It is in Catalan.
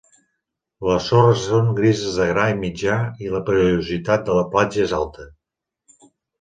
Les sorres són grises de gra mitjà i la perillositat de la platja és alta.